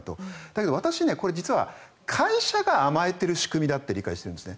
だけど私、これは会社が甘えている仕組みだって理解しているんです。